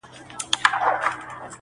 هره شمع یې ژړیږي کابل راسي،